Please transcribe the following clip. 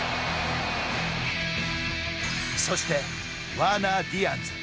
そして、ワーナー・ディアンズ。